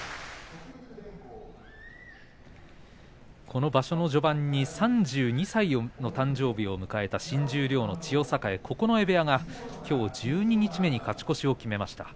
この場所の序盤に３２歳の誕生日を迎えた新十両の千代栄、九重部屋がきょう十二日目に勝ち越しを決めました。